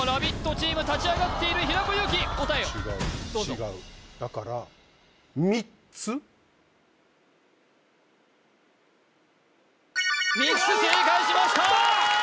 チーム立ち上がっている平子祐希答えをどうぞだから３つ正解しました！